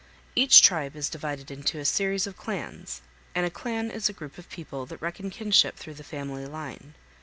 Each tribe is divided into a series of clans, and a clan is a group of people that reckon kinship through the family line.